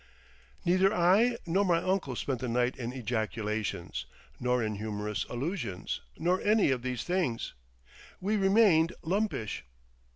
Neither I nor my uncle spent the night in ejaculations, nor in humorous allusions, nor any of these things. We remained lumpish.